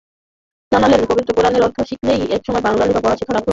জানালেন, পবিত্র কোরআনের অর্থ শিখতেই একসময় বাংলায় পড়ালেখা শেখার আগ্রহ হয়।